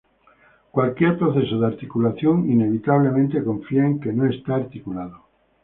Cualquier proceso de articulación inevitablemente confía en que no está articulado.